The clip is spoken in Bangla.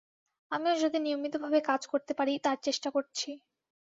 আমিও যাতে নিয়মিতভাবে কাজ করতে পারি, তার চেষ্টা করছি।